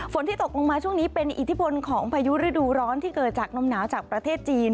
ที่ตกลงมาช่วงนี้เป็นอิทธิพลของพายุฤดูร้อนที่เกิดจากลมหนาวจากประเทศจีน